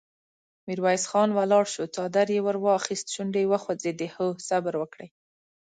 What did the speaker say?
ميرويس خان ولاړ شو، څادر يې ور واخيست، شونډې يې وخوځېدې: هو! صبر وکړئ!